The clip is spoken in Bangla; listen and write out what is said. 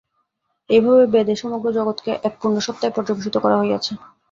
এইভাবেই বেদে সমগ্র জগৎকে এক পূর্ণ সত্তায় পর্যবসিত করা হইয়াছে।